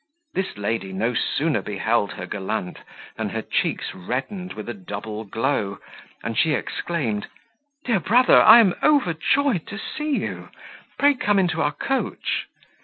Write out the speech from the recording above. This lady no sooner beheld her gallant than her cheeks reddened with a double glow, and she exclaimed, "Dear brother, I am overjoyed to see you! Pray come into our coach."